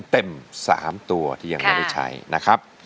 เต็ม๓ตัวที่ยังไม่ได้ใช้นะครับ